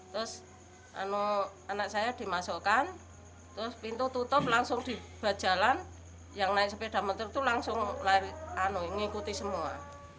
terus anak saya dimasukkan terus pintu tutup langsung dibuat jalan yang naik sepeda motor itu langsung ngikuti semua